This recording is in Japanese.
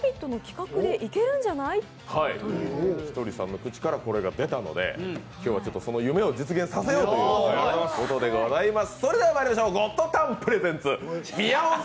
ひとりさんの口からこれが出たので、今日はその夢を実現させようということでございます。